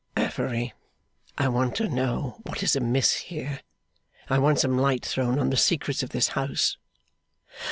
'Affery, I want to know what is amiss here; I want some light thrown on the secrets of this house.